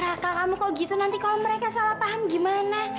nah kalau kamu kok gitu nanti kalau mereka salah paham gimana